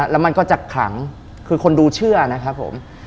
แล้วมันก็จะขลังคือคนดูเชื่อนะครับผม